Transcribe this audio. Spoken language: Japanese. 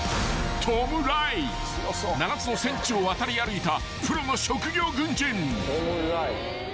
［７つの戦地を渡り歩いたプロの職業軍人］